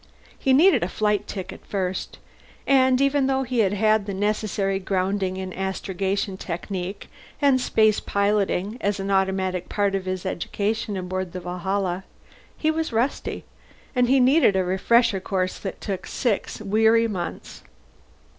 He needed a flight ticket, first, and even though he had had the necessary grounding in astrogation technique and spacepiloting as an automatic part of his education aboard the Valhalla, he was rusty, and needed a refresher course that took six weary months.